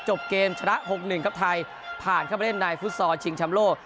จบเกมชนะ๖๑ครับไทยผ่านเข้าไปเล่นในฟุตซอลชิงชำโลก